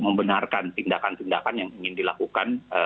membenarkan tindakan tindakan yang ingin dilakukan